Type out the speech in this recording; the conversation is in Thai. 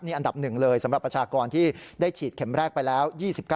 อันดับ๑เลยสำหรับประชากรที่ได้ฉีดเข็มแรกไปแล้ว๒๙